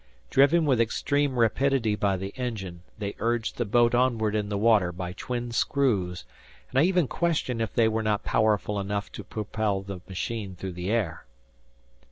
Driven with extreme rapidity by the engine, they urged the boat onward in the water by twin screws, and I even questioned if they were not powerful enough to propel the machine through the air.